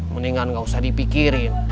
mendingan gak usah dipikirin